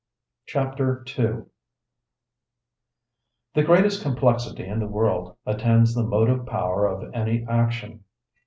Chapter II The greatest complexity in the world attends the motive power of any action.